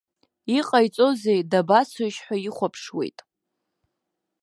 Иҟаиҵозеи, дабацоишь ҳәа ихәаԥшуеит.